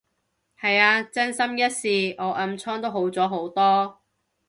係啊，真心一試，我暗瘡都好咗好多